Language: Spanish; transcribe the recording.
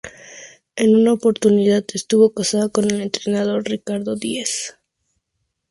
En Una oportunidad estuvo casada con el Entrenador Ricardo Diez.